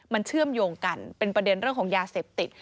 มันเชื่อมโยงกันเป็นประเด็นเรื่องของยาเสพติด